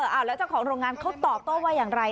เออแล้วเจ้าของโรงงานเขาตอบในตัวว่ายังไร